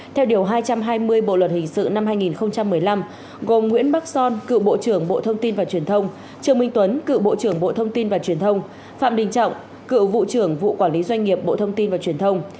theo điều hai trăm hai mươi bộ luật hình sự năm hai nghìn một mươi năm gồm nguyễn bắc son cựu bộ trưởng bộ thông tin và truyền thông trương minh tuấn cựu bộ trưởng bộ thông tin và truyền thông phạm đình trọng cựu vụ trưởng vụ quản lý doanh nghiệp bộ thông tin và truyền thông